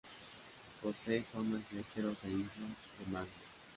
Posee zonas de esteros e islas de mangle.